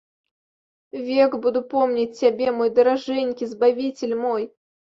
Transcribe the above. Век буду помніць цябе, мой даражэнькі, збавіцель мой.